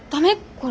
これ。